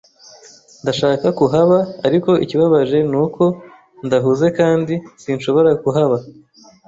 Ndashaka kuhaba, ariko ikibabaje nuko ndahuze kandi sinshobora kuhaba.